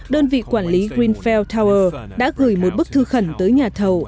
đơn vị quản lý greenfell tower đã gửi một bức thư khẩn tới nhà thầu